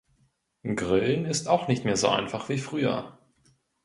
Grillen ist auch nicht mehr so einfach wie früher.